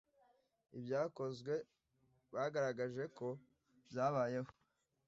Ibyakozwe bagaragaje ko byabayeho